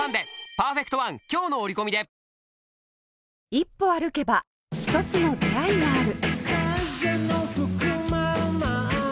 一歩歩けば一つの出会いがある